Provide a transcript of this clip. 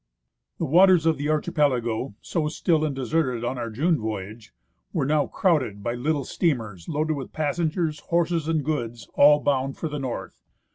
The waters of the archipelago, so still and deserted on our June voyage, were now crowded by little steamers loaded with passengers, horses, and goods, all bound for the North.